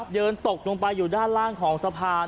เดินตกลงไปอยู่ด้านล่างของสะพาน